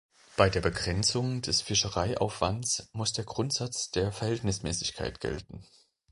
Bei der Begrenzung des Fischereiaufwands muss der Grundsatz der Verhältnismäßigkeit gelten.